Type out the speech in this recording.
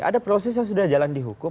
ada proses yang sudah jalan di hukum